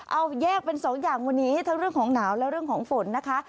เอาแยกเป็นสองอย่างวันนี้ทั้งเรื่องของหนาวและเรื่องของฝนนะคะ